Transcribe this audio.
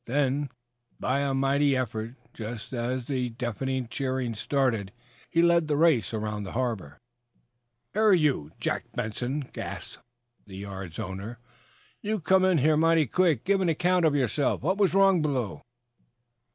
Then, by a mighty effort, just as the deafening cheering started, he led the race around the harbor. "Here, you Jack Benson!" gasped the yard's owner. "You come in here mighty quick! Give an account of yourself. What was wrong below?"